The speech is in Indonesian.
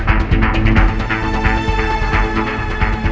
aku harus bisa keluar dari sini